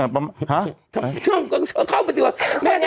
เข้าไปดีกว่าแม่ได้เงินหรือเปล่า